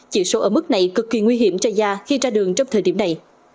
chỉ số ở mức này cực kỳ nguy hiểm cho da khi ra đường trong thời điểm này